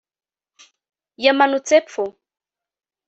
yamanutse epfo